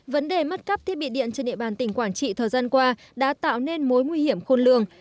vấn đề mất cắp thiết bị điện trên địa bàn tỉnh quảng trị thời gian qua đã tạo nên mối nguy hiểm khôn lường